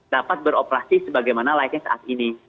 dapat beroperasi sebagaimana layaknya saat ini